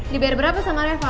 dibayar berapa sama reva